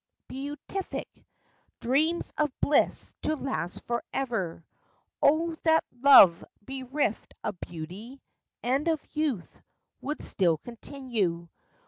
beatific! Dreams of bliss to last forever ! O, that love bereft of beauty, And of youth, would still continue